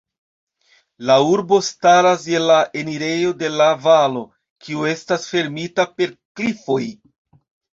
La urbo staras je la enirejo de la valo, kiu estas fermita per klifoj.